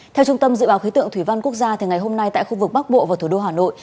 theo trung tâm dự báo khí tượng thủy văn quốc gia ngày hôm nay tại khu vực bắc bộ và thủ đô hà nội